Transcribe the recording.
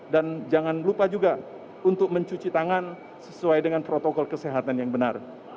dan jangan lupa juga untuk mencuci tangan sesuai dengan protokol kesehatan yang benar